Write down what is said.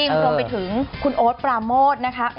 รวมไปถึงคุณโอ๊ตปราโมทนะคะ